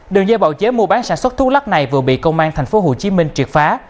đường dây bào chế mua bán sản xuất thuốc lắc này vừa bị công an thành phố hồ chí minh truyệt phá